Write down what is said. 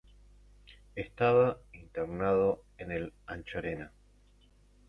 Estaba internado en el Anchorena.